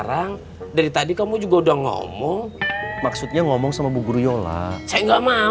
menurutmu siapanya kan